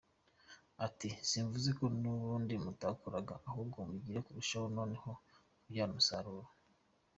Ati “Simvuze ko n’ubundi mutakoraga, ahubwo bigiye kurushaho noneho kubyara umusaruro.